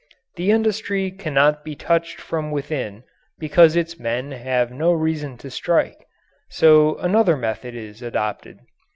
The industry cannot be touched from within, because its men have no reason to strike. So another method is adopted.